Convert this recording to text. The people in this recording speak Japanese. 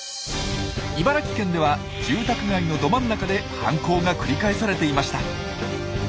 茨城県では住宅街のど真ん中で犯行が繰り返されていました。